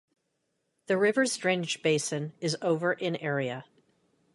The river's drainage basin is over in area.